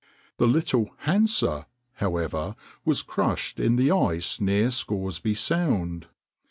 The little Hansa, however, was crushed in the ice near Scoresby Sound.